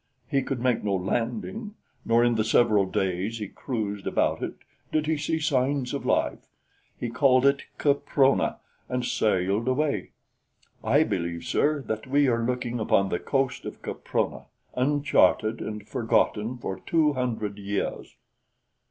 He could make no landing; nor in the several days he cruised about it did he see sign of life. He called it Caprona and sailed away. I believe, sir, that we are looking upon the coast of Caprona, uncharted and forgotten for two hundred years."